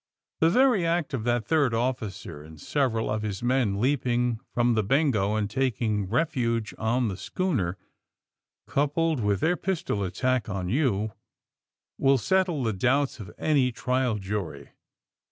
'^The very act of that third officer and several of his men leaping from the ^Bengo' and taking refuge on the schooner, coupled with their pistol attack on you, will settle the doubts of any trial jury.